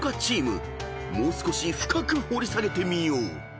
［もう少し深く掘り下げてみよう］